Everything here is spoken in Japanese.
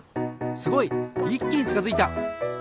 すごい！いっきにちかづいた。